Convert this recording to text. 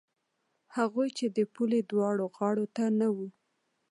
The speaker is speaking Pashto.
هغوی چې د پولې دواړو غاړو ته نه وو.